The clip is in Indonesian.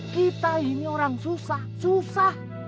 kita ini orang susah susah